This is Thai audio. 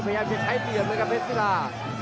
พยายามจะใช้เหลี่ยมเลยครับเพชรศิลา